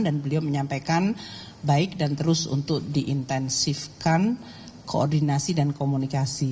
dan beliau menyampaikan baik dan terus untuk diintensifkan koordinasi dan komunikasi